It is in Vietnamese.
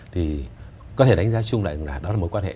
thì có thể đánh giá chung là đó là một quan hệ